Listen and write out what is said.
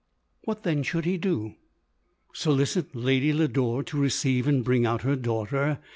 What then should he do ? Solicit Lady Lodore to receive and bring out her daughter